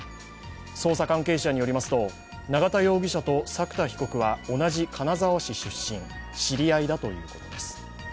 捜査関係者によりますと永田容疑者と作田容疑者は同じ金沢市出身、知り合いだということです。